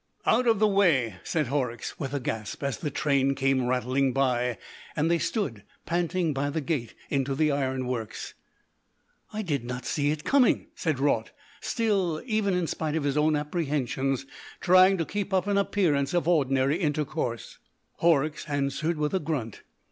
"Out of the way," said Horrocks, with a gasp, as the train came rattling by, and they stood panting by the gate into the ironworks. "I did not see it coming," said Raut, still, even in spite of his own apprehensions, trying to keep up an appearance of ordinary intercourse. Horrocks answered with a grunt.